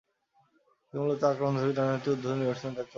তিনি মূলতঃ আক্রমণধর্মী ডানহাতি উদ্বোধনী ব্যাটসম্যানের দায়িত্ব পালন করতেন।